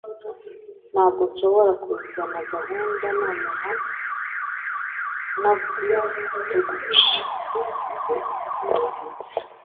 Ntabwo nshobora kuzana gahunda nonaha ntaguteguje.